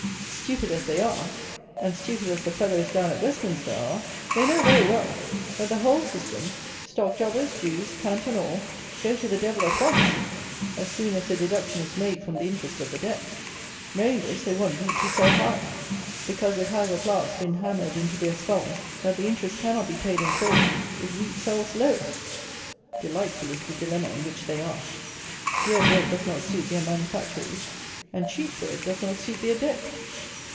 Stupid as they are, and stupid as the fellows down at Westminster are, they know very well, that the whole system, stock jobbers, Jews, cant and all, go to the devil at once, as soon as a deduction is made from the interest of the Debt. Knowing this, they want wheat to sell high; because it has, at last, been hammered into their skulls, that the interest cannot be paid in full, if wheat sells low. Delightful is the dilemma in which they are. Dear bread does not suit their manufactories, and cheap bread does not suit their Debt.